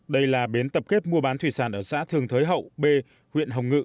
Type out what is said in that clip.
đây là bến tập kết mua bán thủy sản ở xã thường thới hậu b huyện hồng ngự